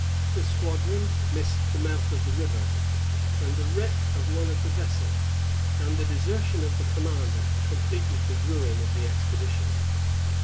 The squadron missed the mouth of the river; and the wreck of one of the vessels, and the desertion of the commander, completed the ruin of the expedition.